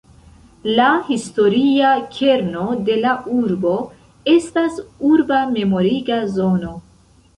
La historia kerno de la urbo estas urba memoriga zono.